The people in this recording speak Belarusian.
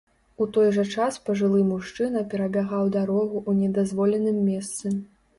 У той жа час пажылы мужчына перабягаў дарогу ў недазволеным месцы.